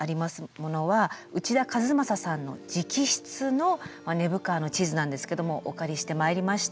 ものは内田一正さんの直筆の根府川の地図なんですけどもお借りしてまいりました。